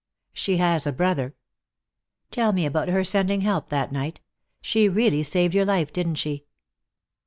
"She has a brother." "Tell me about her sending help that night. She really saved your life, didn't she?"